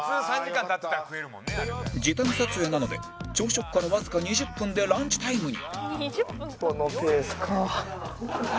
時短撮影なので朝食からわずか２０分でランチタイムに